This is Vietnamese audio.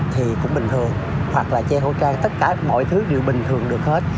thì cũng bình thường hoặc là che hỗ trợ tất cả mọi thứ đều bình thường được hết